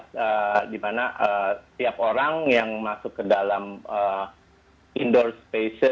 jadi bagaimana cara untuk menguasai kebijakan pandemic ini